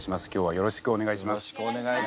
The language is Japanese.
よろしくお願いします。